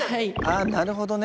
あっなるほどね。